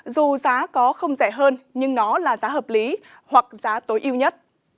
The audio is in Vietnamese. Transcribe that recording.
dù giá có không rẻ hơn nhưng nó là giá hợp lý hoặc giá tối ưu nhất